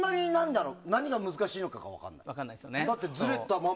何が難しいのか分からない。